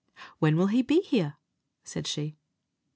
"When will he be here?" said she.